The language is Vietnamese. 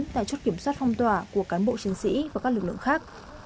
tại chốt kiểm soát phong tỏa của cán bộ chiến sĩ và các lực lượng khác